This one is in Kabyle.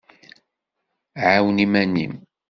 Ɛawen iman-im.